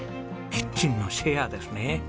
キッチンのシェアですね。